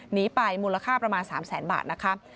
หนีไปมูลค่าประมาณ๓แสนบาทนะคะ